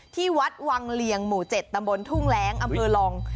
ที่วัดวังเลียงหมู่๗ตำบลทุ่งแร้งอำเภอลอง